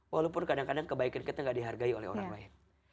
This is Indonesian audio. walaupun kadang kadang kebaikan kita tidak dihargai oleh orang lain